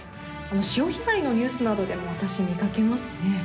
潮干狩りのニュースなどでも見かけますね。